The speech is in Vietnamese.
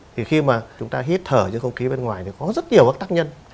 thì khi mà chúng ta hít thở trên không khí bên ngoài thì có rất nhiều bất tắc nhân